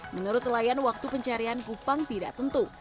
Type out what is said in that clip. menurut nelayan waktu pencarian kupang tidak tentu